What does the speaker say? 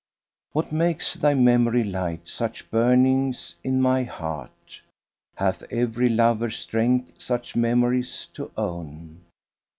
What makes thy memory light such burnings in my heart? * Hath every lover strength such memories to own?